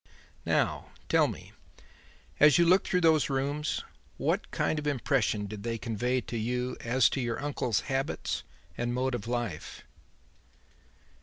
"Now tell me: as you looked through those rooms, what kind of impression did they convey to you as to your uncle's habits and mode of life?"